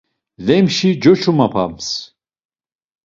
Lemşi coçumapams.